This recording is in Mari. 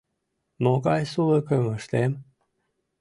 — Могай сулыкым ыштем?...